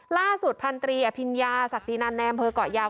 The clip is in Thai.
ล่าสุดพันธรีอภิญญาศักดินันในอำเภอกเกาะยาว